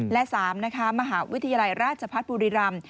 และ๓นะคะมหาวิทยาลัยราชพัฒน์บุรีรำ